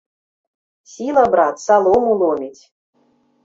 Сіла, брат, салому ломіць!